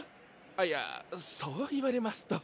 いやそう言われますと。